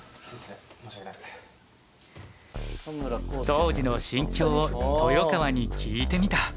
当時の心境を豊川に聞いてみた。